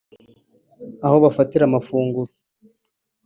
aho bafatira amafunguro